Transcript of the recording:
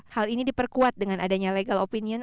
hal ini diperkuat dengan adanya legal opinion